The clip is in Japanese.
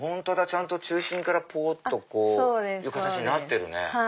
ちゃんと中心からぽっという形になってるね。